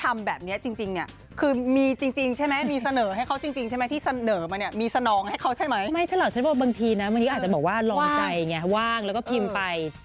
ไม่ใช่เหรอบางทีอาจจะบอกว่าลองใจว่างแล้วก็พิมพ์ไป